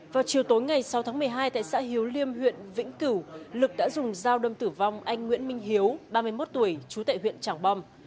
vào chiều tối ngày sáu tháng một mươi hai tại xã hiếu liêm huyện vĩnh cửu lực đã dùng dao đâm tử vong anh nguyễn minh hiếu ba mươi một tuổi chú tệ huyện trảng bom